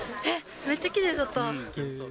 めっちゃきれいだった。